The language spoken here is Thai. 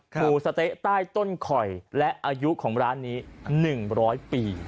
หมูสะเต๊ะใต้ต้นข่อยและอายุของร้านนี้๑๐๐ปี